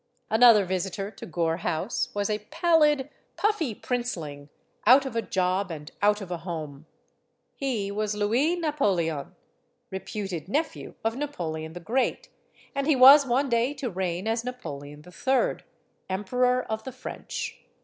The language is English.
Another visitor to Gore House was a pallid, puffy princeling, out of a job and out of a home. He was Louis Napoleon, reputed nephew of Napoleon the Great; and he was one day to reign as Napoleon III., Emperor of the French.